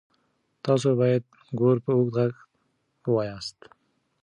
تاسو باید ګور په اوږد غږ ووایاست.